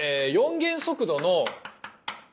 ４元速度の。